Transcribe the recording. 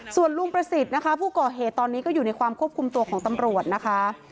ส่วนลุงประสิทธิ์นะคะผู้ก่อเหตุตอนนี้ก็อยู่ในความควบคุมตัวของตำรวจนะคะ